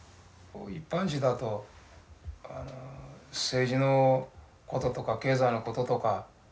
一般紙だとあの政治のこととか経済のこととかねえ